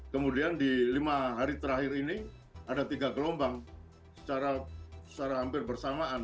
kemudian di lima hari terakhir ini ada tiga gelombang secara hampir bersamaan